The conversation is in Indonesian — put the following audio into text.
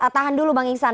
tahan dulu bang ingsan